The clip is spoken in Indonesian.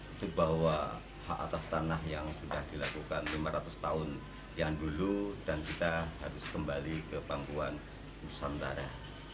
itu bahwa hak atas tanah yang sudah dilakukan lima ratus tahun yang dulu dan kita harus kembali ke pangkuan nusantara